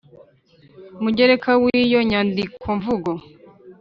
Mugereka w iyo nyandikomvugo